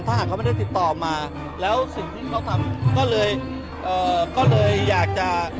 ถ้าหากเขาไม่ได้ติดต่อมาแล้วสิ่งที่เขาทำก็เลยอยากจะ